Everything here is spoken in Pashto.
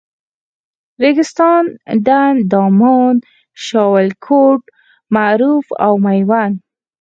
ریګستان، ډنډ، دامان، شاولیکوټ، معروف او میوند.